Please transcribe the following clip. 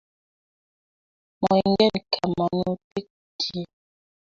Moingen kamanutik chi.